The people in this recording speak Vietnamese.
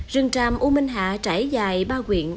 rừng tràm u minh hạ trải dài ba quyện